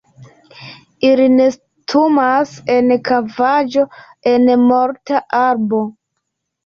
Ili nestumas en kavaĵo en morta arbo.